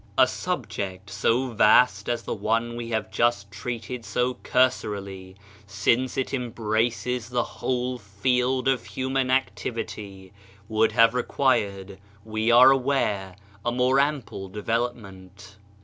A subject so vast as the one we have just treated so cursorily, since it em braces the whole field of human activity, would have required, we are aware, a more ample development.